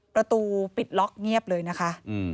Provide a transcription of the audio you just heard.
ประตูปิดล็อกเงียบเลยนะคะ